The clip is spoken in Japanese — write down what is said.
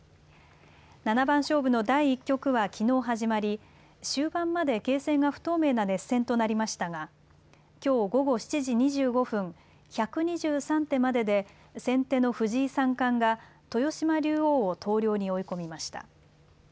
七番勝負の第１局はきのう始まり終盤まで形勢が不透明な熱戦となりましたがきょう午後７時２５分、１２３手までで先手の藤井三冠が豊島竜王を投了に追い込みました。